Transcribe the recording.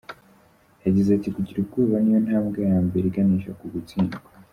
Yagize ati “Kugira ubwoba ni yo ntambwe ya mbere iganisha ku gutsindwa.